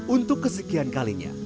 untuk kesekian kalinya